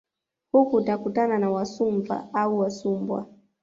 Huku utakutana na Wasumva au Wasumbwa